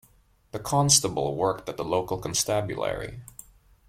The constable worked at the local constabulary.